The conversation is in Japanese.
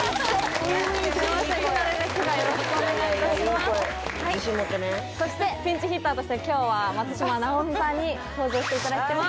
自信持ってねそしてピンチヒッターとして今日は松嶋尚美さんに登場していただいてます